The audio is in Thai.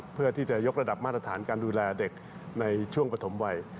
เพื่อที่จะยกระดับมาตรฐานการดูแลเด็กในช่วงปฐมวัย